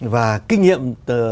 và kinh nghiệm